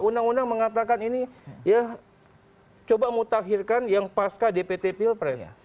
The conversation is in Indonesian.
undang undang mengatakan ini ya coba mutakhirkan yang pasca dpt pilpres